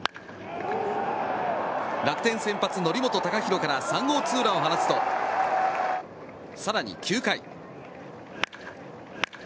楽天先発の則本昂大から３号ツーランを放つと更に９回。